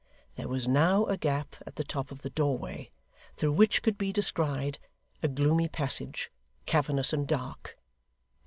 There was now a gap at the top of the doorway, through which could be descried a gloomy passage, cavernous and dark.